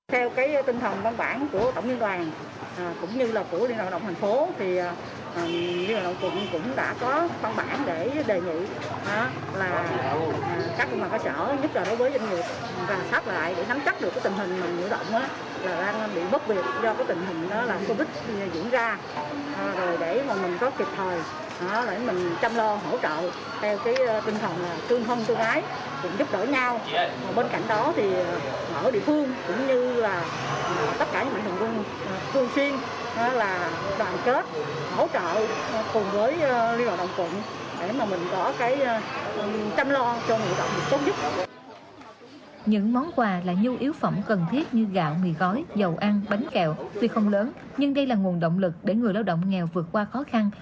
theo tinh thần văn bản của tổng nhân đoàn